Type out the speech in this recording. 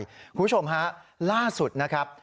คุณผู้ชมฮะล่าสุดนะครับ